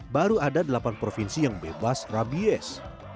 baru ada delapan provinsi yang bebas rabies